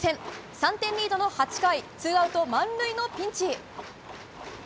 ３点リードの８回ツーアウト満塁のピンチ。